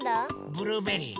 ブルーベリー！